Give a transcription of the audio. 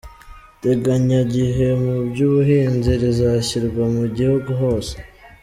Iteganyagihe mu by’ubuhinzi rizashyirwa mu gihugu hose